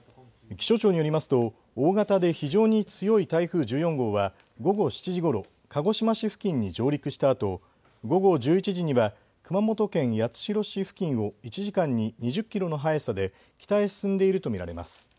気象庁によりますと大型で非常に強い台風１４号は午後７時ごろ鹿児島市付近に上陸したあと午後１１時には熊本県八代市付近を１時間に２０キロの速さで北へ進んでいると見られます。